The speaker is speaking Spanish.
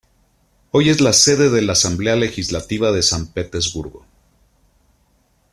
Hoy es la sede de la Asamblea Legislativa de San Petersburgo.